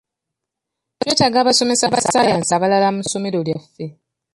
Twetaaga abasomesa ba saayansi abalala mu ssomero lyaffe.